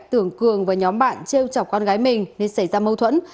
tưởng cường và nhóm bạn treo chọc con gái mình nên xảy ra mâu thuẫn